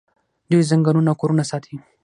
دوی ځنګلونه او کورونه ساتي.